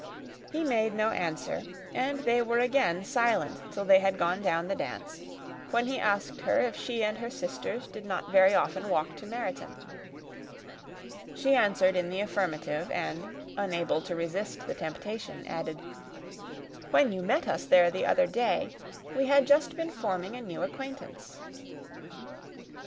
He made no answer; and they were again silent till they had gone down the dance, when he asked her if she and her sisters did not very often walk to Meryton. She answered in the affirmative; and, unable to resist the temptation, added, "When you met us there the other day, we had just been forming a new acquaintance."